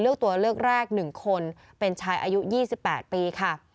เลือกตัวเลือกแรก๑คนเป็นชายอายุ๒๘ปีค่ะ